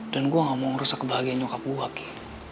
dan gue gak mau ngerusak kebahagiaan nyokap gue ki